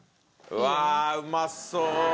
うわうまそう！